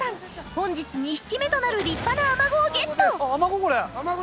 本日２匹目となる立派なアマゴをゲットあアマゴ